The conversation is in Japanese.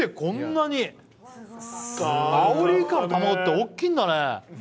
アオリイカの卵って大きいんだね。